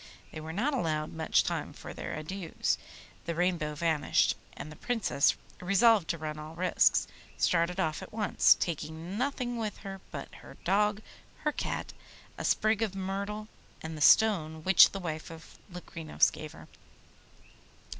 They were not allowed much time for their adieus; the Rainbow vanished, and the Princess, resolved to run all risks, started off at once, taking nothing with her but her dog, her cat, a sprig of myrtle, and the stone which the wife of Locrinos gave her.